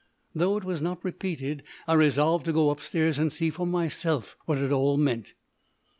Though it was not repeated, I resolved to go upstairs and see for myself what it all meant.